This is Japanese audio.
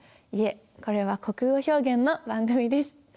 いえこれは国語表現の番組です。